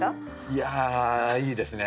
いやいいですね。